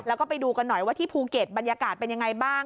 แล้วก็ไปดูกันหน่อยว่าที่ภูเก็ตบรรยากาศเป็นยังไงบ้าง